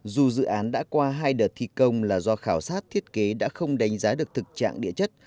dù dự án đã qua hai đợt thi công là do khảo sát thiết kế đã không đánh giá được thực trạng địa chất